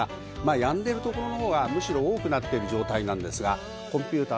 やんでいるところの方がむしろ多くなっている状態です。